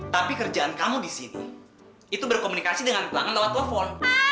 tapi kerjaan kamu di sini itu berkomunikasi dengan pelanggan lewat telepon